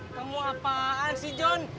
kamu apaan sih jon